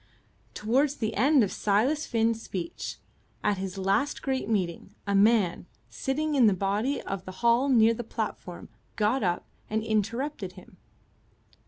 Towards the end of Silas Finn's speech, at his last great meeting, a man, sitting in the body of the hall near the platform, got up and interrupted him.